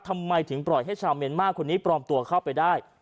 ทำไมถึงปล่อยให้ชาวเมียนมาร์คนนี้ปลอมตัวเข้าไปได้